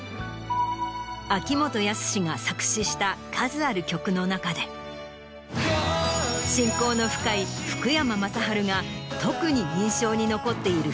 秋元康が作詞した数ある曲の中で親交の深い福山雅治が特に印象に残っている